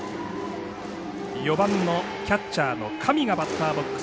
４番のキャッチャーの上がバッターボックス。